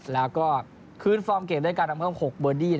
แล้วก็คืนฟอร์มเกมด้วยการนำเพิ่ม๖เบอร์ดี้